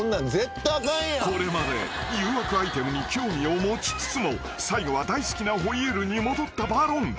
［これまで誘惑アイテムに興味を持ちつつも最後は大好きなホイールに戻ったバロン］